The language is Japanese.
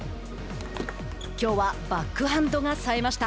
きょうはバックハンドがさえました。